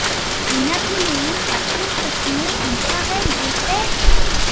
Et Napoléon a contresigné une pareille dépêche!